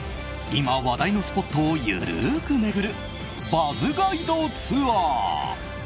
今、話題のスポットを緩く巡るＢｕｚｚガイドツアー。